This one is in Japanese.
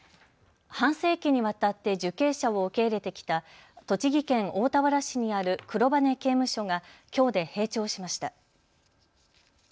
半世紀にわたって受刑者を受け入れてきた栃木県大田原市にある黒羽刑務所がきょうで閉庁しました。